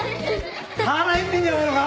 腹減ってんじゃねえのか？